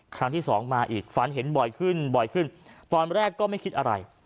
ครั้งที่สองมาอีกฝันเห็นบ่อยขึ้นบ่อยขึ้นตอนแรกก็ไม่คิดอะไร